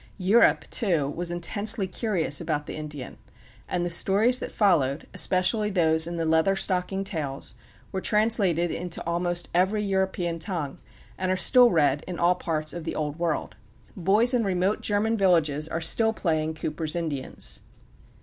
Europe, too, was intensely curious about the Indian, and the stories that followed, especially those in the Leather Stocking Tales, were translated into almost every European tongue, and are still read in all parts of the Old World. Boys in remote German villages are still playing Cooper's Indians.